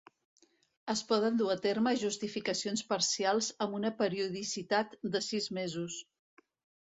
Es poden dur a terme justificacions parcials amb una periodicitat de sis mesos.